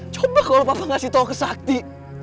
coba kalau papa ngasih tau ke sakti